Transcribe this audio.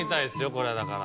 これはだから。